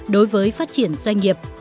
đối với phát triển doanh nghiệp